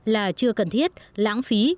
là chưa cần thiết lãng phí